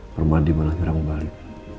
pemadi malah nyerang balik